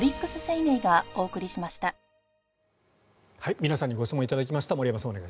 皆さんにご質問いただきました。